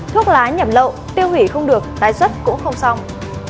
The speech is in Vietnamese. thuốc lá nhập lậu tiêu hủy không được tái xuất cũng không xong